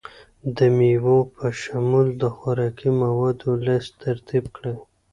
د میوو په شمول د خوراکي موادو لست ترتیب کړئ.